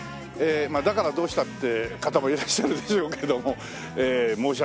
まあだからどうしたって方もいらっしゃるでしょうけども。